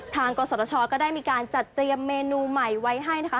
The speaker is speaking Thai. ทางกษัตริย์ชอตก็ได้มีการจัดเตรียมเมนูใหม่ไว้ให้